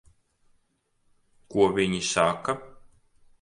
Ko viņi saka?